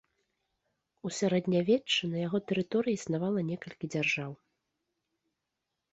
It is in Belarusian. У сярэднявеччы на яго тэрыторыі існавала некалькі дзяржаў.